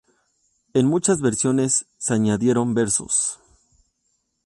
En muchas versiones se añadieron versos.